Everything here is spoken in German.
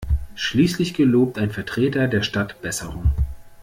Schließlich gelobt ein Vertreter der Stadt Besserung.